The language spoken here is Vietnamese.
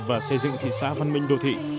và xây dựng thị xã văn minh đô thị